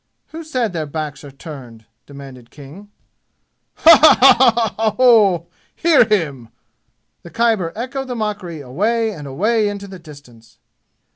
"Who said their backs are turned?" demanded King. "Ha ha ha ha ha ho! Hear him!" The Khyber echoed the mockery away and away into the distance.